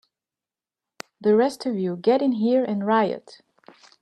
The rest of you get in here and riot!